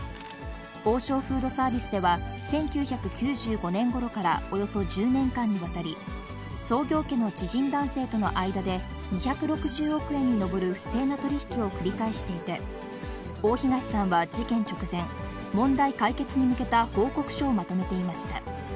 王将フードサービスでは、１９９５年ごろからおよそ１０年間にわたり、創業家の知人男性との間で、２６０億円に上る不正な取り引きを繰り返していて、大東さんは事件直前、問題解決に向けた報告書をまとめていました。